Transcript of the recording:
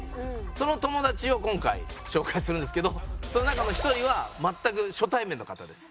その友達を今回紹介するんですけどその中の１人は全く初対面の方です。